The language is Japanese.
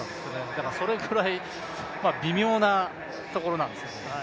だからそれぐらい微妙なところなんですよね。